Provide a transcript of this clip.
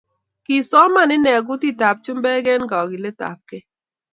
Kisomaan inne kutitab chumbek eng kogiiletabkei